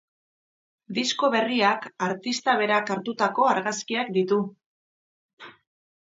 Disko berriak artistak berak hartutako argazkiak ditu.